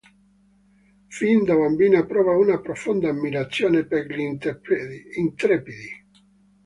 Fin da bambina prova una profonda ammirazione per gli Intrepidi.